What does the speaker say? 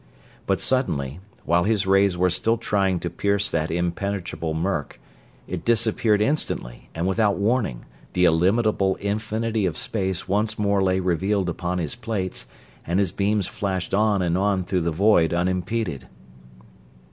But suddenly, while his rays were still trying to pierce that impenetrable murk, it disappeared instantly and, without warning, the illimitable infinity of space once more lay revealed upon his plates and his beams flashed on and on through the void, unimpeded.